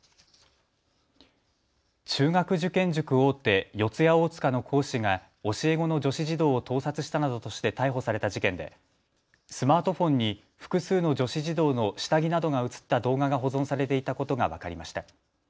中学受験塾大手、四谷大塚の講師が教え子の女子児童を盗撮したなどとして逮捕された事件でスマートフォンに複数の女子児童の下着などが写った動画が保存されていたことが分かりました。